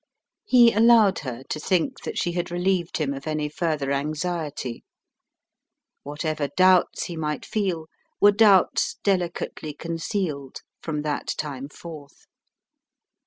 He allowed her to think that she had relieved him of any further anxiety. Whatever doubts he might feel were doubts delicately concealed from that time forth.